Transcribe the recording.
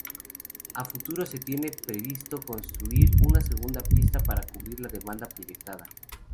A futuro se tiene previsto construir una segunda pista para cubrir la demanda proyectada.